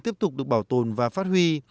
tiếp tục được bảo tồn và phát huy